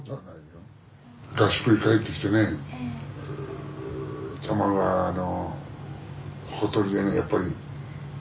合宿に帰ってきてね多摩川のほとりでねやっぱり。